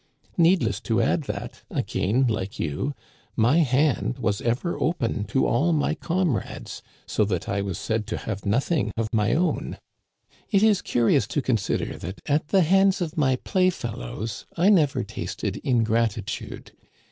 Needless to add that, again like you, my hand was ever open to all my comrades, so that I was said to have * nothing of my own.' It is curious to consider that, at the hands of my playfellows, I never tasted ingratitude.